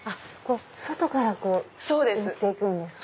外から縫って行くんですか。